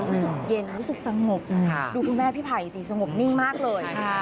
รู้สึกเย็นรู้สึกสงบดูคุณแม่พี่ไผ่สิสงบนิ่งมากเลย